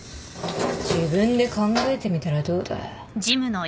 自分で考えてみたらどうだ？